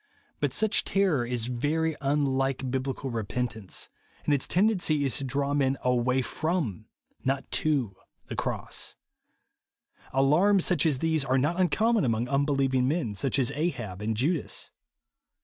But such terror is very unhke Bible repentance ; and its tend ency is to draw men aiuay from, not to, the the cross. Alarms, such as these, are not uncommon among unbelieving men, such as Ahab and Judas.